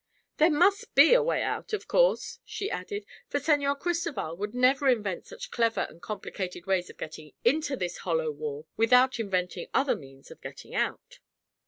"There must be a way out, of course," she added, "for Señor Cristoval would never invent such clever and complicated ways of getting into this hollow wall without inventing other means of getting out."